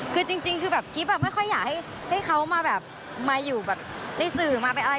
คือจริงกริ๊ปไม่ค่อยอยากให้เขามาอยู่แบบริสุมาไปอะไร